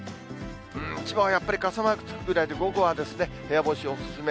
千葉はやっぱり傘マークつくぐらいで、午後は部屋干しお勧め。